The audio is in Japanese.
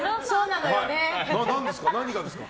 何ですか？